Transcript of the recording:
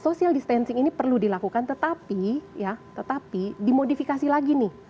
social distancing ini perlu dilakukan tetapi ya tetapi dimodifikasi lagi nih